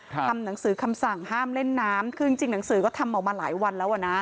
ทำหนังสือคำสั่งห้ามเล่นน้ำคือจริงจริงหนังสือก็ทำออกมาหลายวันแล้วอ่ะนะ